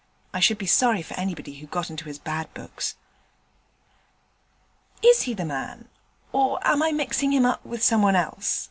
'I should be sorry for anyone who got into his bad books.' 'Is he the man, or am I mixing him up with someone else?'